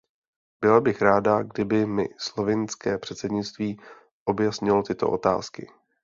Byla bych ráda, kdyby mi slovinské předsednictví objasnilo tyto otázky.